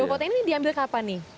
dua foto ini diambil kapan nih